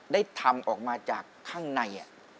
ได้ทำออกมาจากข้างใน